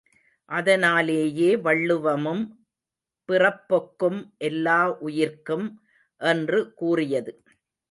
அதனாலேயே வள்ளுவமும், பிறப்பொக்கும் எல்லா உயிர்க்கும் என்று கூறியது.